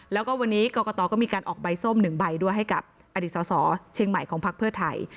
แล้วก็วันนี้กรกตก็มีการออกใบส้ม๑ใบด้วยให้กับอดีตสสเชียงใหม่ของพักเพื่อไทย